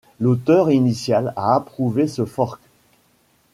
L'auteur initial a approuvé ce fork.